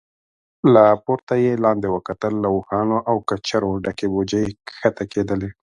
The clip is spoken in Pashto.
له پورته يې لاندې وکتل، له اوښانو او کچرو ډکې بوجۍ کښته کېدلې.